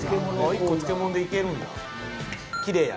１個漬物でいけるんや。